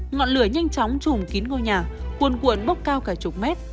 ngọn lửa nhanh chóng chùm kín ngôi nhà cuồn cuộn bốc cao cả chục mét